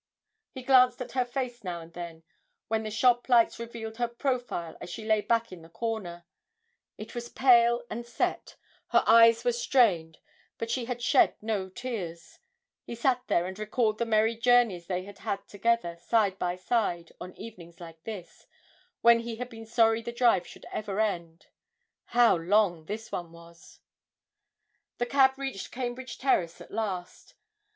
He glanced at her face now and then, when the shop lights revealed her profile as she lay back in her corner; it was pale and set, her eyes were strained, but she had shed no tears; he sat there and recalled the merry journeys they had had together, side by side, on evenings like this, when he had been sorry the drive should ever end how long this one was! The cab reached Cambridge Terrace at last.